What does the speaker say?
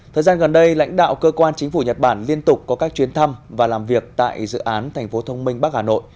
thời gian gần đây lãnh đạo cơ quan chính phủ nhật bản liên tục có các chuyến thăm và làm việc tại dự án tp thbh